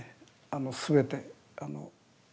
あの全て。